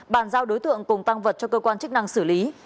bàn giao đối tượng cùng tăng vật cho cơ quan chức năng xử lý